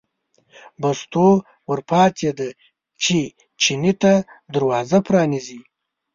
مستو ور پاڅېده چې چیني ته دروازه پرانیزي.